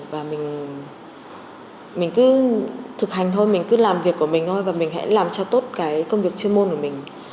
và mình cứ thực hành thôi mình cứ làm việc của mình thôi và mình hãy làm cho tốt cái công việc chuyên môn của mình